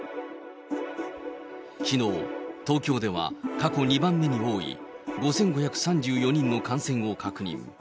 きのう、東京では過去２番目に多い５５３４人の感染を確認。